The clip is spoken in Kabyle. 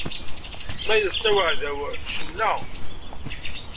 Ma iḍsa uɛdaw, cenna!